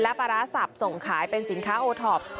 และปาราศัพท์ส่งขายเป็นสินค้าโอทอป